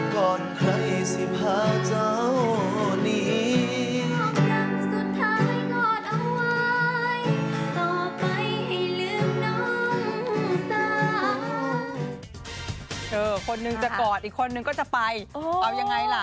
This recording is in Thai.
คนนึงจะกอดอีกคนนึงก็จะไปเอายังไงล่ะ